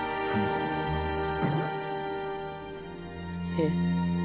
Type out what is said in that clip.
えっ？